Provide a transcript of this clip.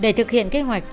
để thực hiện kế hoạch